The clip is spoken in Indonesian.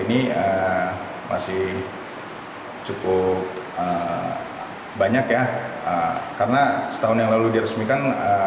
ini masih cukup banyak ya karena setahun yang lalu diresmikan